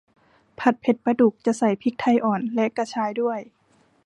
ผัดเผ็ดปลาดุก จะใส่พริกไทยอ่อนและกระชายด้วย